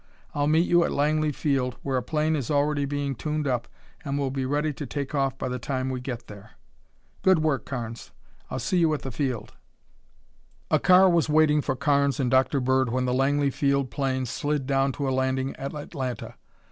I'll meet you at Langley Field where a plane is already being tuned up and will be ready to take off by the time we get there." "Good work, Carnes. I'll see you at the field." A car was waiting for Carnes and Dr. Bird when the Langley Field plane slid down to a landing at Atlanta.